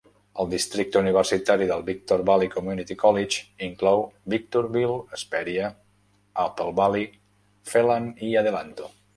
El districte universitari del Victor Valley Community College inclou Victorville, Hesperia, Apple Valley, Phelan i Adelanto.